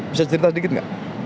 bisa cerita sedikit gak